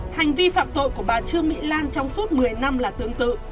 hành vi phạm tội của bà trương mỹ lan trong suốt một mươi năm là tương tự